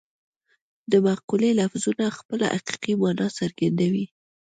د مقولې لفظونه خپله حقیقي مانا څرګندوي